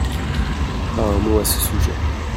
pas un mot à ce sujet.